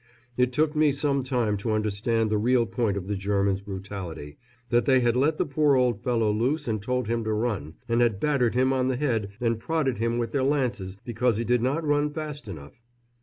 It took me some time to understand the real point of the Germans' brutality that they had let the poor old fellow loose and told him to run, and had battered him on the head and prodded him with their lances because he did not run fast enough.